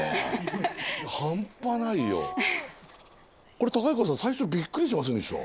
これ公彦さん最初びっくりしませんでした？